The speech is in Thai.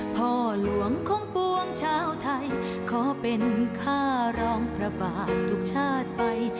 พ่อหลวงของปวงชาวไทยขอเป็นข้าร้องพระบาททุกชาติไป